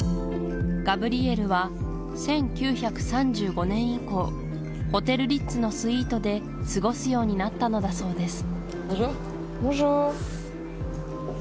ガブリエルは１９３５年以降ホテル・リッツのスイートで過ごすようになったのだそうです